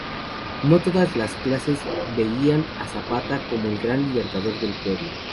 No todas las clases veían a Zapata como el gran libertador del pueblo.